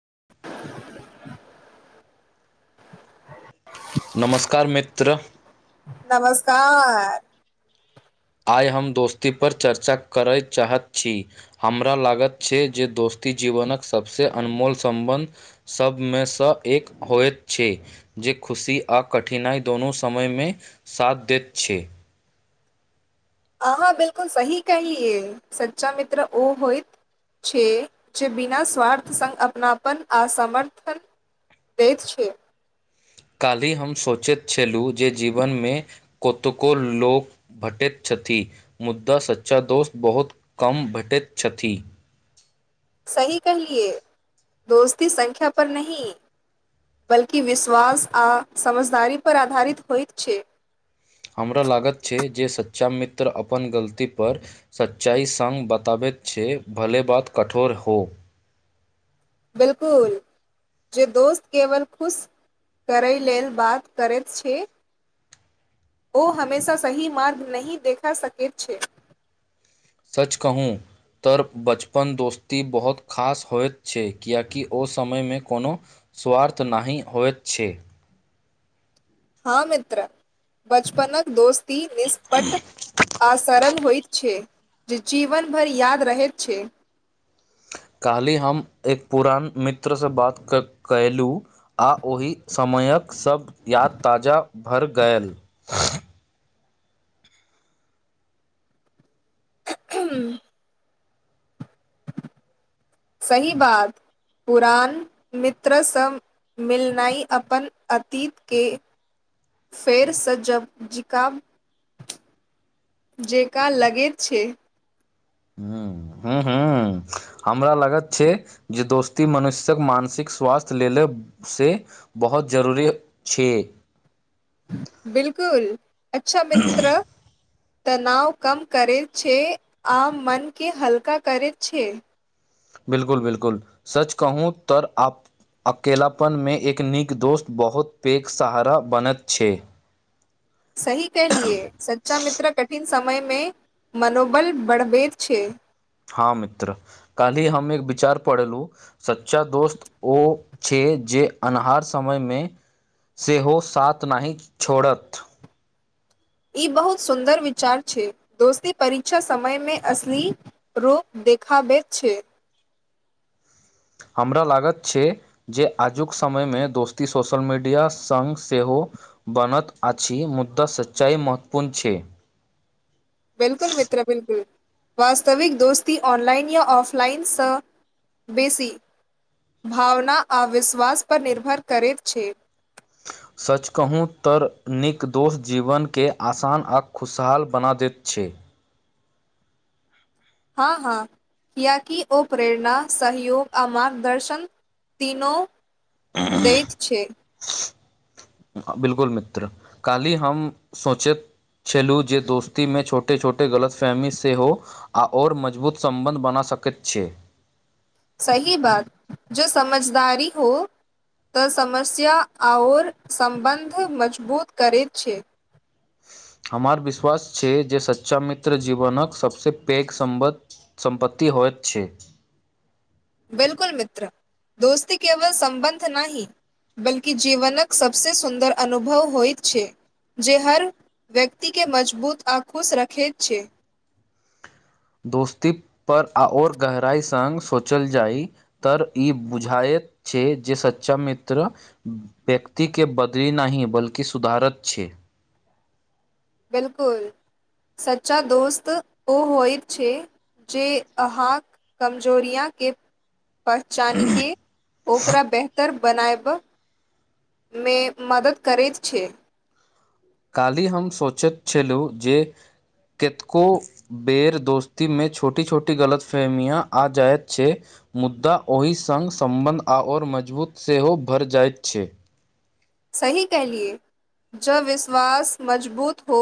[unintelligible] नमस्कार मित्र। [unintelligible] [unintelligible] नमस्कार। आइ हम दोस्तीपर चर्चा करय चाहैत छी हमरा लागैत छै जे दोस्ती जीवनक सभसँ अनमोल सम्बन्ध सभमेसँ एक होइत छै जे खुशी आ कठिनाइ दुनू समयमे साथ दैत छै। अहाँ बिल्कुल सही कहलियै सच्चा मित्र ओ होइत छै जे बिना स्वार्थ सङ्ग अपनापन आ समर्थन दैत छै। काल्हि हम सोचैत छलहुँ जे जीवनमे कतको लोक भेटैत छथि मुदा सच्चा दोस्त बहुत कम भेटैत छथि। सही कहिए दोस्ती संख्य पर नई बल्कि विश्वास आ समझदारी पर आधारित होइतत छै। हमरा लागत छै जे सच। [unintelligible] बच्चा मित्र अपन गलती पर सच्चाइ सङ्ग बताबैत छै भले बात कठोर हो। [unintelligible] बिलकुल जे दोस्त केवल खुश करय लेल बात करैत छै। [unintelligible] ओ हमेशा सही मार्ग नहि देखा सकैत छै। [unintelligible] सच कहूँ तऽ बचपन दोस्ती बहुत खास होइत छै किियकि ओ समयमे कोनो स्वार्थ नहि होइत छै। हँ मित्र बचपनक दोस्त। ती निष्पट आ सरल होइत छै। [unintelligible] जे जीवनभर याद रहैत छै। [unintelligible] काल्हि हम एक पुरान मित्रसँ बात -कयलहुँ आ ओहि समयक। सब याद ताजा भरि गेलल। [unintelligible] हं। [unintelligible] सही बात पुरान मित्रसँ मिलनाइ- अपन अतीत के फेरसँ जब जिका जेका लगैत छै। ह -ह्म- ह हमरा लागत छै जे दोस्ती मनुष्यक मानसिक स्वास्थ्य लेले से बहुत -जरूरी छै। बिलकुल अच्छा मित्र तनाव कम करै छै आ मन के हल्का करै छै। बिल्कुल बिल्कुल, सच कहूँ तऽर आप अकेलापनमे एक नीक दोस्त बहुत पैघ सहारा बनैत छै। सही कलियए सच्चा मित्र कठिन। [unintelligible] समयमे मनोबल बढ़बैत छै। [unintelligible] हाॅं मित्र, काल्हि हम एक विचार पढ़लुं सच्चा दोस्त ओ छै जे अन्हार समयमे सेहो साथ नहि छोड़त ई बहुत सुन्दर विचार छै, दोस्ती परीक्षा समयमे असली रूप देखाबैत छै। हमरा लागैत छै जे आजुक समयमे दोस्ती सोशल मीडिया सङ्ग सेहो बनैत अछि मुदा सच्चाई महत्वपूर्ण छै। बिल्कुल मित्र बिल्कुल, वास्तविक दोस्ती ऑनलाइन या ऑफलाइनसँ बेसी भावना आ विश्वास पर निर्भर करैत छै। सच कहूँ तऽर नीक दोस्त जीवनके आसान आ खुशहाल बना दैत छै। हँ हँ, कियैकि ओ प्रेरणा, सहयोग आ मार्गदर्शन तीनों दैत छै। बिल्कुल मित्र काल्हि हम सोचैंत छेलहुँ जे दोस्तीमे छोटे छोटे गलतफहमी सेहो आओर मजबूत सम्बन्ध बना सकैत छै। सही बात, जो समझदारी हो तऽ समस्या आऔर सम्बन्ध मजबूत करैत छै। हमर विश्वास छै जे सच्चा मित्र जीवनक सभसँ पैघ सम्पत सम्पत्ति होइत छै। बिलकुल मित्र दोस्ती केवल सम्बन्ध नहि बल्कि जीवनक सबसे सुन्दर अनुभव होइत छै, जे हर व्यक्ति के मजबूत आ खुश रखैत छै। दोस्ती पर आओर गहराई सङ्ग सोचल जाई तऽर ई बुझाइत छै जे सच्चा मित्र व्यक्तिके बदलि नहि बल्कि सुधारैत छै। बिल्कुल, सच्चा दोस्त ओ होइत छै जे अहाँक कमजोरियां के पहचानिके ओकरा बेहतर बनायबमे मदद करैत छै। काल्हि हम सोचैत छेलहुँ जे केतको बेर दोस्तीमे छोटी छोटी गलतफहमियाँ आ जायत छै मुदा ओहि सङ्ग सम्बन्ध आओर मजबूत सेहो भरि जाइत छै। सही कहलिए जऽ विश्वास मजबूत हो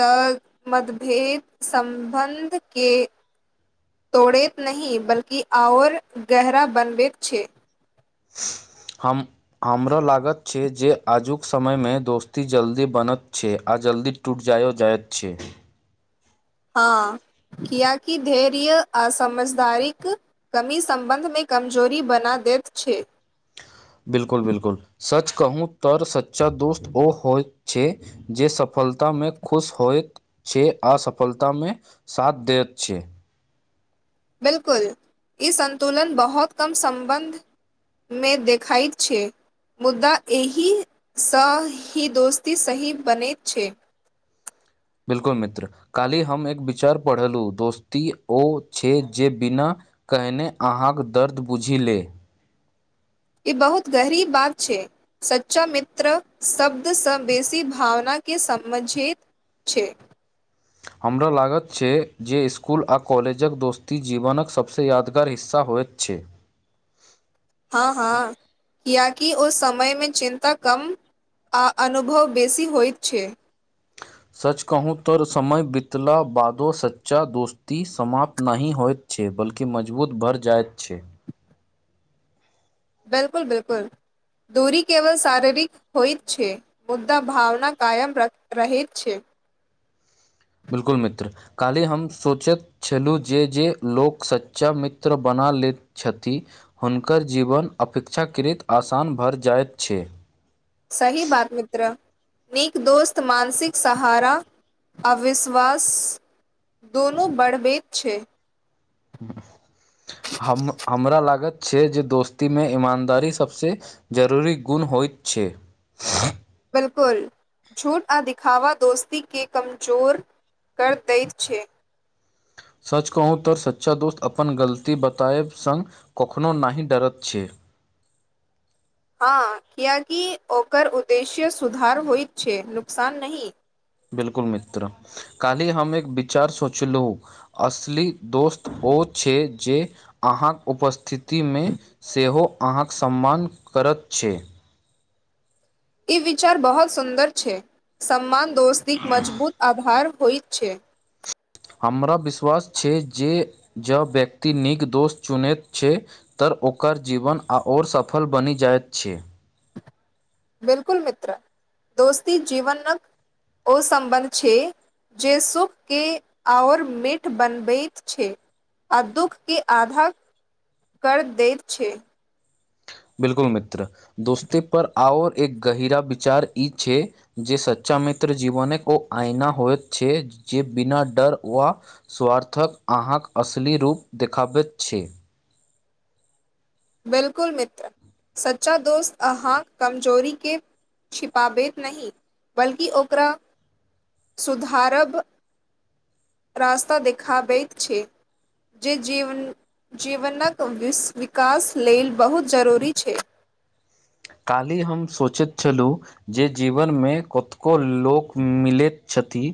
तऽ मतभेद सम्बन्ध के तोड़ैत नहि बल्कि आओर गहरा बनबैत छै। हम हमरा लागत छै जे आजुक समयमे दोस्ती जल्दी बनत छै आ जल्दी टूटि जाओ जाइत छै। हँ, किएकि धैर्य आ समझदारीक कमी सम्बन्धमे कमजोरी बना दैत छै। बिल्कुल बिल्कुल, सच कहूं तऽर सच्चा दोस्त ओ होइत छै जे सफलता मे खुश होइत छै आसफलता मे साथ दैत छै। बिल्कुल ई संतुलन बहुत कम सम्बन्धमे देखाइत छै मुद्दा एहिसँ ही दोस्ती सही बनैत छै। बिल्कुल मित्र, काल्हि हम एक विचार पढ़लहुँ दोस्ती ओ छै जे बिना कहने अहाँक दर्द बुझि ले। ई बहुत गहरी बात छै, सच्चा मित्र शब्दसँ बेसी भावनाके समझैत छै। हमरा लागत छै जे इसकुल आ कॉलेजक दोस्ती जीवनक सभसँ यादगार हिस्सा होइत छै। हँ हँ, कियाकि ओ समयमे चिन्ता कम आ अनुभव बेसी होइत छै। सच कहूँ तऽर समय बितला बादो सच्चा दोस्ती समाप्त नहि होइत छै बल्कि मजबूत भऽर जाइत छै। बिल्कुल बिल्कुल, दूरी केवल शारीरिक होईत छै मुद्दा भावना कायम रह रहैत छै। बिल्कुल मित्र काल्हि हम सोचैत छलहुँ जे जे लोक सच्चा मित्र बना लैत छैथि हुनकर जीवन अपेक्षाकृत आसान भरि जाइत छै। सही बात मित्र, नीक दोस्त मानसिक सहारा आ विश्वास दुनू बढ़बैत छै। हम हमरा लागत छै जे दोस्तीमे ईमानदारी सभसे जरूरी गुण होइत छै। बकुल झूठ आ दिखावा दोस्तीके कमजोर कर दैत छै। सच कहूँ तऽर सच्चा दोस्त अपन गलती बतायब सं कखनो नाहि डरत छै। हँ कियाकि ओकर उद्देश्य सुधार होइत छै नुकसान नहि। बिल्कुल मित्र, काल्हि हम एक विचार सोचलहुँ असली दोस्त ओ छै जे अहाँक उपस्थिति ति में सेहो अहाँक सम्मान करैत छै। ई विचार बहुत सुन्दर छै सम्मान दोस्तीक मजबूत आघार होईत छै। हमरा विश्वास छै जे जँ व्यक्ति नीक दोष चुनैत छै तऽ ओकर जीवन आओर सफल बनि जाइत छै। [unintelligible] बिलकुल मित्र दोस्ती जीवनक ओ सम्बन्ध छै जे सुख के आओर मीठ बनबैत छै आ दुःख के आधा -कर दैत छै। बिलकुल मित्र दोस्ती पर आओर एक गहिरा विचार ई छै जे सच्चा मित्र जीवनक ओ आइना होइत छै जे बिना डर वा स्वार्थक अहाँक असली रूप देखाबैत छै। [unintelligible] बिलकुल मित्र सच्चा दोस्त अहाँक कमजोरी के छिपाबैत नहिह बल्कि ओकरा- सुधारभ- रास्ता देखाबैत छै जे जीवन जीवनक। [unintelligible] कास लेल बहुत जरूरी छै। काल्हि हम सोचैत छलहुँ जे जीवनमे कतको लोक मिलैत छथि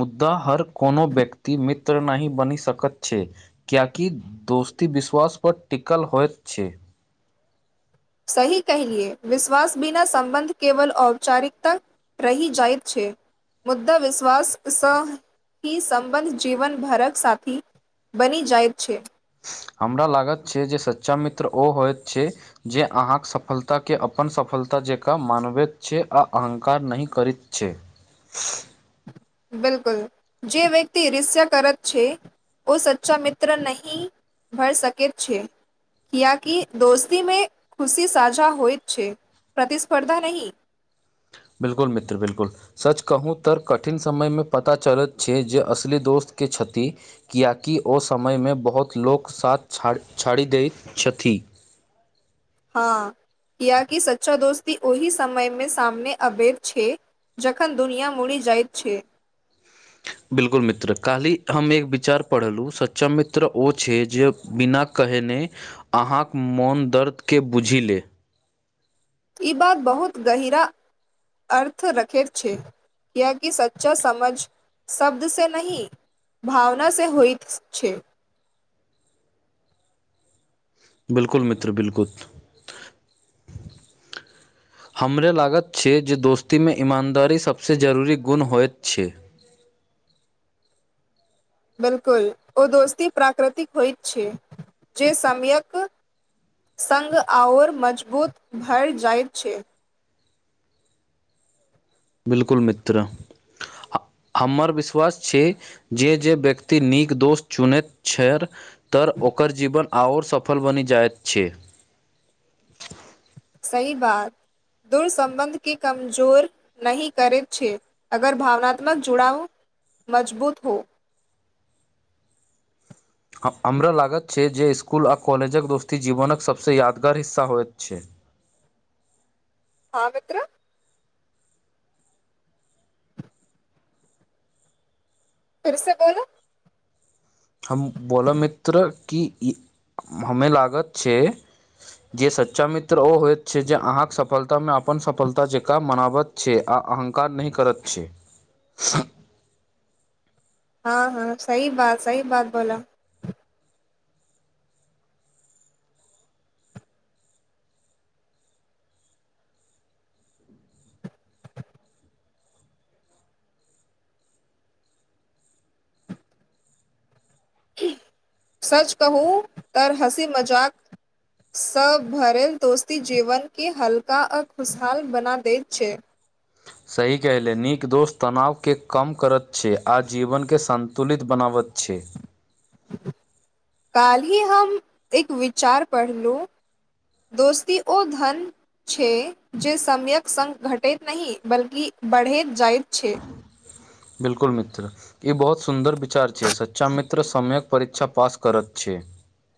मुद्दा हर कोनो व्यक्ति मित्र नाहि बनि सकैत छै कियाकि दोस्ती विश्वास पर टिकल होइत छै। सही कहिलए विश्वास बिना सं्बन्ध केवल औपचारिकता रहि जाइतत छै मुद्दा विश्वास स ही सं्बन्ध जीवन भरक साथी बनी जाइतत छै। हमरा लागत छै जे सच्चा मित्र ओ होइत छै जे अहाँक सफलताके अपन सफलता जकाँ मानबैत छै आ अहङ्कार नहि करैत छै। [unintelligible] बिलकुल जे व्यक्त रस्सा करत छै ओ सच्चा मित्र नही- भर सकैत छै कियाकि दोस्ती मे खुशी साझा होइतत छै प्रतिस्पर्धा नही। बिलकुल मित्र बिलकुल सच कहूँ तऽ कठिन समयमे पता चलैत छै जे असली दोस्तके छथि्ष किएकि ओ समयमे बहुत लोक साथ छाड़ि दैत छथि। हँ -किियकि सच्चा दोस्ती ओहि समयमे सामने अवैध छै जखन दुनिया मुड़ि जाइत छै। [unintelligible] बिल्कुल मित्र काल्हि हम एक विचार पढ़लहुँ सच्चा मित्र ओ छै जे बिना कहने अहाँक मोन दर्दके बुझि ले। [unintelligible] ई बात बहुत गहरा -अर्थ रखैत छै कएकि सच्चा समझ शब्द से नहीं भावना से होइत छै। [unintelligible] बिलकुल मित्र- बिलकुल [unintelligible] हमरे लागत छै जे दोस्तीमे ईमानदारी सबस जरूरी गुण होइत छै। [unintelligible] बिलकुल ओ दोस्ती प्राकृतिक होइतत छै जे सम्यक सग आओर मजबूत भर जाइत छै। [unintelligible] बिलकुल मित्र हमर -विश्वास छै जे जे व्यक्ति नीक दोस्त चुनैत छै। [unintelligible] तऽ ओकर जीवन। [unintelligible] आओर सफल बनि जाइत छै। [unintelligible] सही बात दूर सम्बन्ध के कमजोर नह करैत छै अगर भावनात्मक जुड़ाव- मजबूत हो। [unintelligible] हमरा लागत छै जे स्कुल आ कॉलेजक दोस्ती जीवनक सभसँ यादगार हिस्सा होइत छै। [unintelligible] आ मित्र। [unintelligible] [unintelligible] फिर से बोलू। [unintelligible] हम बोलऽ मित्र कि - क हमे लागत छै जे सच्चा मित्र ओ होइत छै जे अहाँके सफलतामे अपन सफलता जकाँ मनाबत छै आ अहंकार नहिह करत [unintelligible] छै। हँ- हँ सही बात सही बात बोल। [unintelligible] सच कहू तऽ हँसी मजाकसँ भरल दोस्ती जीवन के हल्का आ खुशहाल बना दैत छै। सही कहलै नीक दोस्त तनावके कम करत छै आ जीवनकेँ संन्तुलित बनाबैत छै। [unintelligible] काल्हिहि हम एक विचार पढ़लहुँ दोस्ती ओ धन छै जे समक सङ्ग घटैत नहि बल्कि बढ़ैत जाइत छै। [unintelligible] बिलकुल मित्र ई बहुत सुन्दर विचार छै सच्चा मित्र समयक परीक्षा पास करत छै। [unintelligible]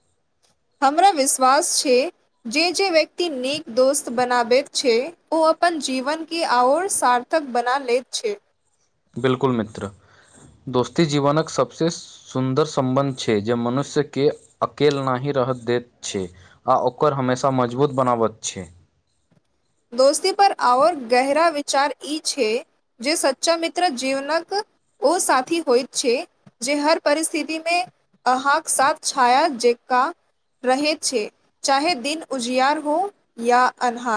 हमरा विश्वास छै जे जे व्यक्ति नीक दोस्त बनाबैत छै ओ अपन जीवनके आओर सार्थक बना लैत छै। [unintelligible] बिल्कुल मित्र दोस्ती जीवनक सभसँ सुन्दर सम्बन्ध छै जे मनुष्यके अकेलना ही रह दैत छै आ ओकर हमेशा मजबूत बनाबैत छै। [unintelligible] दोस्ती पर आओर गहरा विचार ई छै जे सच्चा मित्र जीवनक ओ साथी होइत छै जे हर परिस्थिति मे अहाँके साथ छाया जेका रहै छै चाहे दिन उजियार हो या अन्हार। [unintelligible]